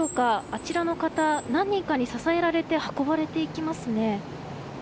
あちらの方何人かに支えられて運ばれていきますね。